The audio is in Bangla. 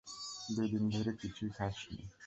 দুই দিন ধরে কিছুই খাস নি।